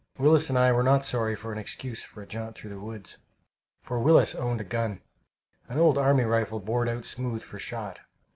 Willis and I were not sorry of an excuse for a jaunt through the woods, for Willis owned a gun an old army rifle bored out smooth for shot.